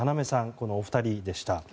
このお二人でした。